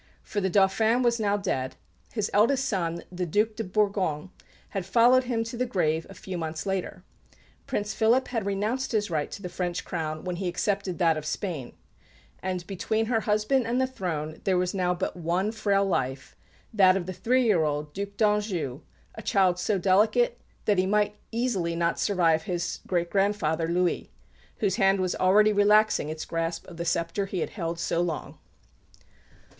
For the Dauphin was now dead; his eldest son, the Duc de Bourgogne, had followed him to the grave a few months later. Prince Philip had renounced his right to the French crown when he accepted that of Spain; and, between her husband and the throne there was now but one frail life, that of the three year old Duc d'Anjou, a child so delicate that he might easily not survive his great grandfather, Louis, whose hand was already relaxing its grasp of the sceptre he had held so long.